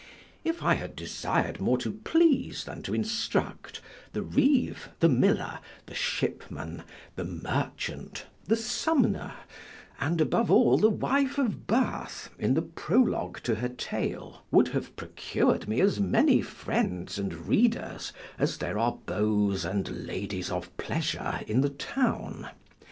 If I had desir'd more to please than to instruct, the Reeve, the Miller, the Shipman, the Merchant, the Sumner, and, above all, the Wife of Bath, in the prologue to her tale, would have procured me as many friends and readers, as there are beaux and ladies of pleasure in the town.